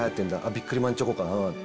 ビックリマンチョコか。